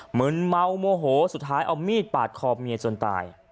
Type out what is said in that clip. เหมือนเมาโมโหสุดท้ายเอามีดปาดคอเมียจนตาย